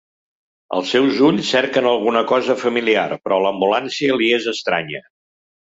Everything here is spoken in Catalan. Els seus ulls cerquen alguna cosa familiar, però l’ambulància li és estranya.